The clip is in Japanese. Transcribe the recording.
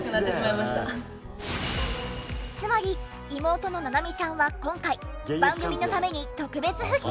つまり妹の七海さんは今回番組のために特別復帰！